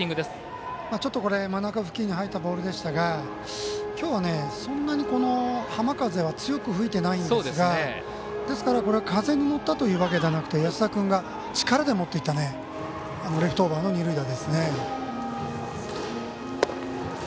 ちょっと真ん中付近に入ったボールでしたが今日は、そんなに浜風は強く吹いていないんですがですから風に乗ったというわけではなくて安田君が力で持っていったレフトオーバーの二塁打ですね。